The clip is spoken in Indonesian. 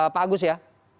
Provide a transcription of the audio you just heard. pak agus ya